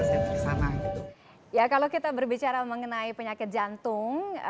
itu jangan sampai saya kesana kesana gitu ya kalau kita berbicara mengenai penyakit jantung